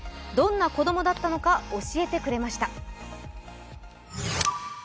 どんな子供だったのか教えてくれました。